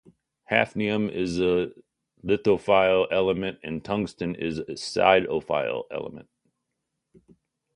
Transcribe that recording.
Hafnium is a lithophile element and tungsten is siderophile element.